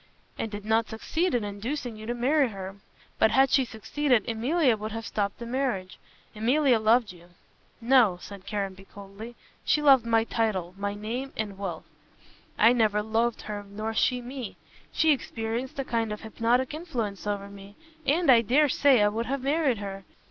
"And did not succeed in inducing you to marry her. But had she succeeded, Emilia would have stopped the marriage. Emilia loved you." "No," said Caranby coldly, "she loved my title and my name and wealth. I never loved her nor she me. She exercised a kind of hypnotic influence over me, and I dare say I would have married her.